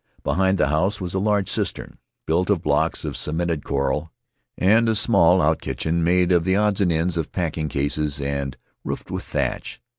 Behind the house was a large cistern, built of blocks of cemented coral, and a small outkitchen made of the odds and ends of packing cases and roofed with thatch.